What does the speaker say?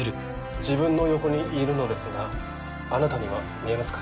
自分の横にいるのですがあなたには見えますか？